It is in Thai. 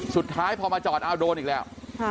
สุดท้ายพอมาจอดอ้าวโดนอีกแล้ว